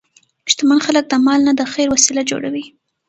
شتمن خلک د مال نه د خیر وسیله جوړوي.